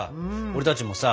俺たちもさ